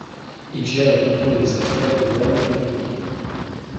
Il gère et contrôle les affaires de World Rugby.